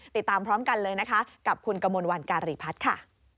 ติดตามพร้อมกันเลยนะคะกับคุณกมลวันการีพัฒน์ค่ะ